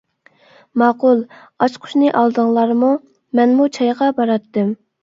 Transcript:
-ماقۇل، ئاچقۇچنى ئالدىڭلارمۇ؟ مەنمۇ چايغا باراتتىم.